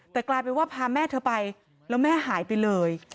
แต่กลายเป็นว่าพาแม่เธอไปแล้วแม่หายไปเลย